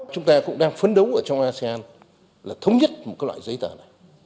chúng ta cũng đang phấn đấu ở trong asean là thống nhất một loại giấy tờ này